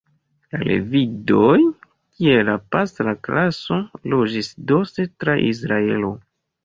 La Levidoj, kiel la pastra klaso, loĝis dise tra Izraelo.